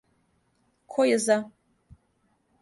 Ко је за.